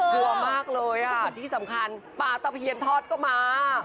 กลัวมากเลยอ่ะที่สำคัญปลาตะเพียนทอดก็มา